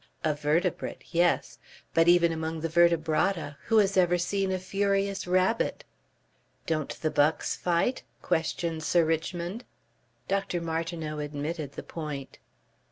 "A vertebrate. Yes. But even among the vertebrata; who has ever seen a furious rabbit?" "Don't the bucks fight?" questioned Sir Richmond. Dr. Martineau admitted the point.